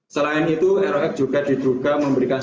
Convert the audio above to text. selain itu rof juga diduga memberikan